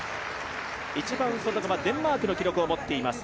一番外側、デンマークの記録を持っています